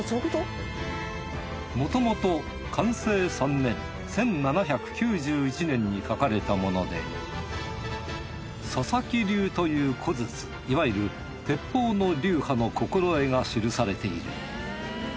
もともと寛政３年１７９１年に書かれたもので佐々木流という小筒いわゆる鉄砲の流派の心得が記されている。